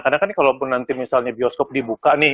karena kan ini kalau nanti misalnya bioskop dibuka nih